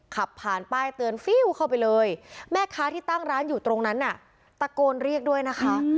ขับผ่านป้ายเตือนฟิวเข้าไปเลยแม่ค้าที่ตั้งร้านอยู่ตรงนั้นน่ะตะโกนเรียกด้วยนะคะ